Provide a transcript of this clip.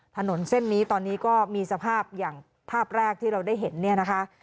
ถนนเส้นนี้ตอนนี้ก็มีสภาพอย่างภาพแรกที่เราได้เห็นเนี่ยนะคะ